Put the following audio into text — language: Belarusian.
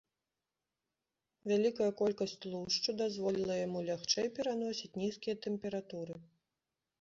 Вялікая колькасць тлушчу дазволіла яму лягчэй пераносіць нізкія тэмпературы.